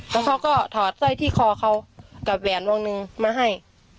แล้วเขาก็ถอดสร้อยที่คอเขากับแหวนวงหนึ่งมาให้